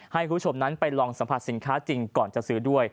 ให้คุณผู้ชมนั้นไปลองสัมผัสสินค้าจริงก่อนจะซื้อด้วย